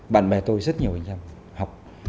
bạn bè tôi rất nhiều anh em học